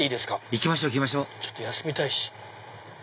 行きましょう行きましょうちょっと休みたいし。